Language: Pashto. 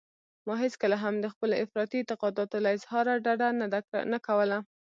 ما هېڅکله هم د خپلو افراطي اعتقاداتو له اظهاره ډډه نه کوله.